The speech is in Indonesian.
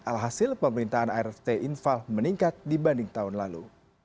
alhasil pemerintahan art infal meningkat dibanding tahun lalu